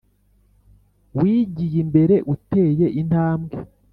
wigiye imbere uteye intambwe